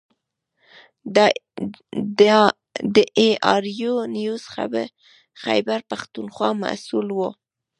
د اې ار یو نیوز خیبر پښتونخوا مسوول و.